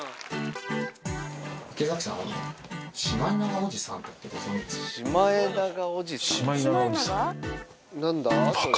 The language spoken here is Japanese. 池崎さん、あのシマエナガおじさんってご存じですか？